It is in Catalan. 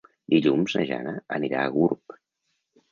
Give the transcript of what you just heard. Dilluns na Jana anirà a Gurb.